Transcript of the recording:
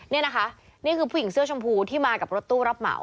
นี่นะคะนี่คือผู้หญิงเสื้อชมพูที่มากับรถตู้รับเหมา